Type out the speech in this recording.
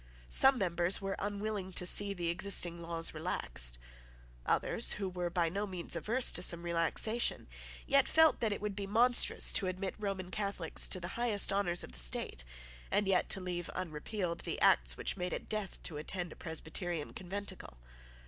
Some members were unwilling to see the existing laws relaxed. Others, who were by no means averse to some relaxation, yet felt that it would be monstrous to admit Roman Catholics to the highest honours of the state, and yet to leave unrepealed the Act which made it death to attend a Presbyterian conventicle.